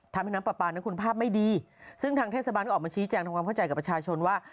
น้ำปลาปลานั้นคุณภาพไม่ดีซึ่งทางเทศบาลก็ออกมาชี้แจงทำความเข้าใจกับประชาชนว่า